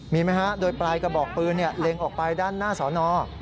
มีไหมฮะโดยปลายกระบอกปืนเล็งออกไปด้านหน้าสอนอ